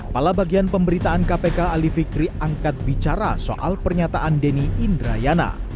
pala bagian pemberitaan kpk ali fikri angkat bicara soal pernyataan denny indrayana